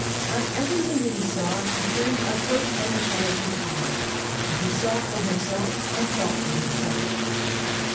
On every thing that he saw he turned a quick and intelligent eye ; and he saw for himself and thought for himself.